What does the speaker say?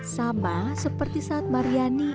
sama seperti saat maryani